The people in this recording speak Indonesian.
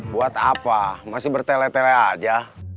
buat apa masih bertele tele aja